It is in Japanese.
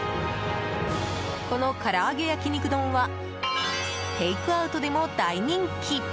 このからあげ焼肉丼はテイクアウトでも大人気。